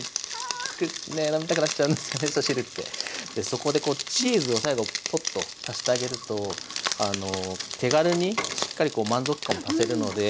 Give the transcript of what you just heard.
そこでこうチーズを最後ポッと足してあげると手軽にしっかりこう満足感も出せるので。